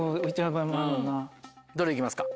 どれ行きますか？